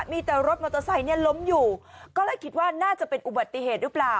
มีแต่รถมอเตอร์ไซค์เนี่ยล้มอยู่ก็เลยคิดว่าน่าจะเป็นอุบัติเหตุหรือเปล่า